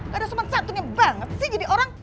gak ada sopan santunya banget sih jadi orang